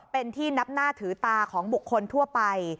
เป็นที่นับหน้าถือตาของบุคคลทั่วไป